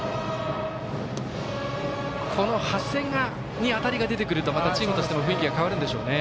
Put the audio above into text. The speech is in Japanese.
長谷に当たりが出てくると、またチームとしても雰囲気が変わるんでしょうね。